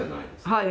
はい。